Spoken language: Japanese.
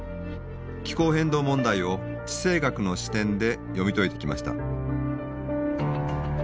気候変動問題を地政学の視点で読み解いてきました。